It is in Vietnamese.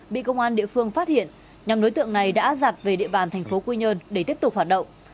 bị công an địa phương phát hiện nhóm đối tượng này đã giặt về địa bàn thành phố quy nhơn để tiếp tục hoạt động